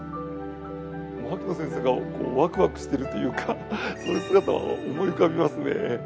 牧野先生がこうワクワクしているというかそういう姿を思い浮かびますね。